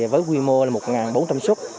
với quy mô một bốn trăm linh xuất